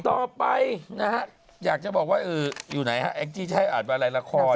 ต่อไปนะฮะอยากจะบอกว่าอยู่ไหนฮะแองจี้จะให้อ่านอะไรละคร